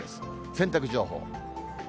洗濯情報。